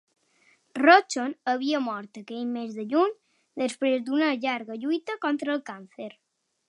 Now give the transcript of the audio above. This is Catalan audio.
Rochon havia mort aquell mes de juny després d'una llarga lluita contra el càncer.